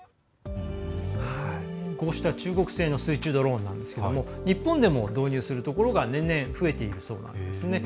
こうした中国製の水中ドローンなんですが日本でも導入するところが年々、増えているそうです。